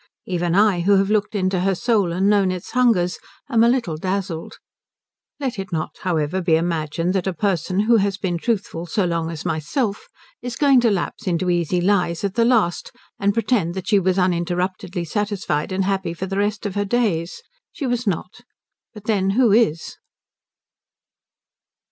Even I, who have looked into her soul and known its hungers, am a little dazzled. Let it not however be imagined that a person who has been truthful so long as myself is going to lapse into easy lies at the last, and pretend that she was uninterruptedly satisfied and happy for the rest of her days. She was not; but then who is?